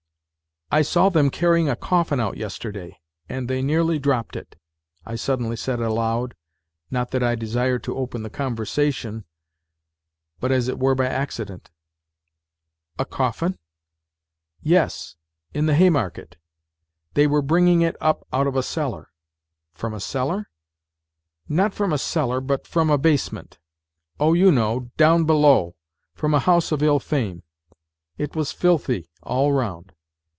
" I saw them carrying a coffin out yesterday and they nearly dropped it," I suddenly said aloud, not that I desired to open the conversation, but as it were by accident. " A coffin ?"" Yes, in the Haymarket ; they were bringing it up out of a cellar." " From a cellar? "" Not from a cellar, but from a basement. Oh, you know .. down below ... from a house of ill fame. It was filthy all round